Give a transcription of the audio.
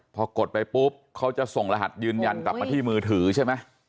พอกดไปปุ๊บเขาจะส่งรหัสยืนยันกลับมาที่มือถือใช่ไหม